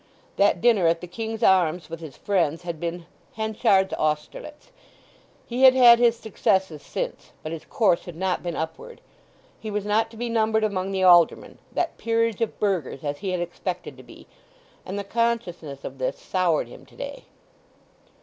That dinner at the King's Arms with his friends had been Henchard's Austerlitz: he had had his successes since, but his course had not been upward. He was not to be numbered among the aldermen—that Peerage of burghers—as he had expected to be, and the consciousness of this soured him to day.